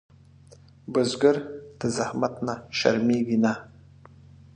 بزګر د زحمت نه شرمېږي نه